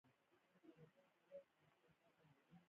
پوه او هوشیار انسان، یاداښتونه ساتي او پند ترې اخلي.